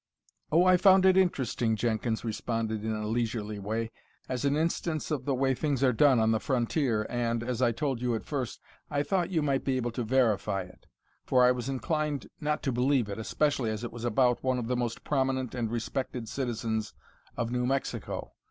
"Oh, I found it interesting," Jenkins responded in a leisurely way, "as an instance of the way things are done on the frontier and, as I told you at first, I thought you might be able to verify it. For I was inclined not to believe it, especially as it was about one of the most prominent and respected citizens of New Mexico.